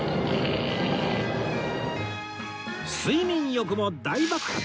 睡眠欲も大爆発！